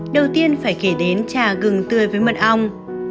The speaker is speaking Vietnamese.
đầu tiên phải kể đến trà gừng tươi với mật ong